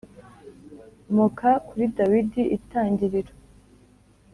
moka kuri Dawidi Itangiriro